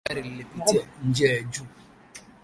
Gari lilipitia njia ya juu